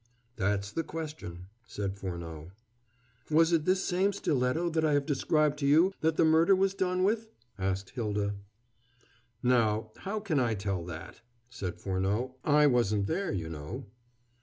"That's the question," said Furneaux. "Was it this same stiletto that I have described to you that the murder was done with?" asked Hylda. "Now, how can I tell that?" said Furneaux. "I wasn't there, you know."